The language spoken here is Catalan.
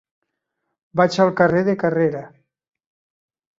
Vaig al carrer de Carrera.